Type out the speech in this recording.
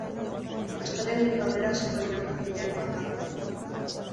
Astelehenetik aurrera hasiko dira bazkideak baja aurkezten.